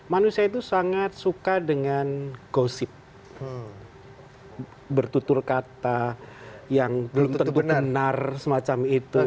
manusia itu sangat suka dengan gosip bertutur kata yang belum tentu benar semacam itu